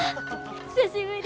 久しぶり！